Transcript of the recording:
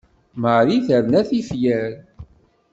Marie terna tifyar.